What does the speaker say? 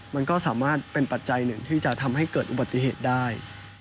มันก็สามารถเป็นปัจจัยหนึ่งที่จะทำให้เกิดอุบัติเหตุได้